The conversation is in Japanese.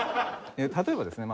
例えばですね